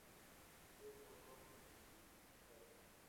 Es auto-polinizada.